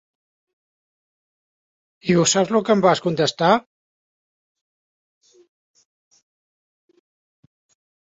I ho saps lo que em vas contestar?